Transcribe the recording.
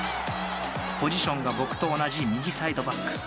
ポジションが僕と同じ右サイドバック。